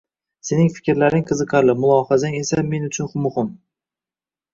sening fikrlaring qiziqarli, mulohazang esa men uchun muhim.